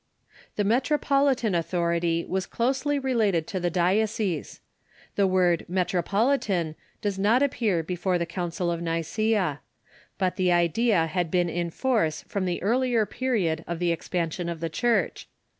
The metropolitan authority was closely related to the dio cese. The Avord metropolitan does not appear before the Coun cil of Nicaea. But the idea had been in force from '^''Soritr the earlier period of the expansion of the Church.